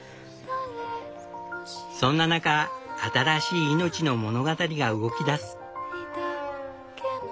そんな中新しい命の物語が動きだす。